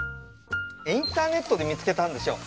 インターネットで見つけたんですよ。